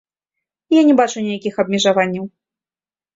Я не бачу ніякіх абмежаванняў.